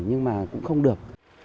nhưng mà cũng không được